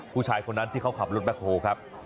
ผู้ชายคนนั้นที่เขาขับรถแบคโฮครับ